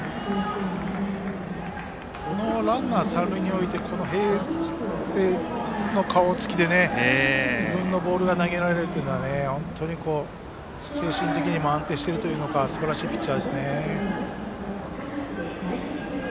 このランナー、三塁へ置いて平静な顔つきで自分のボールが投げられるのは精神的にも安定しているのかすばらしいピッチャーですね。